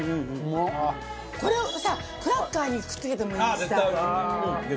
これをさクラッカーにくっつけてもいいしさ。